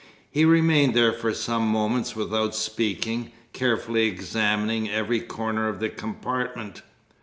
He remained there for some moments without speaking, carefully examining every corner of the compartment.